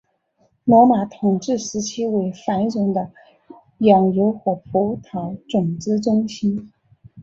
罗马统治时期为繁荣的养牛和葡萄种植中心。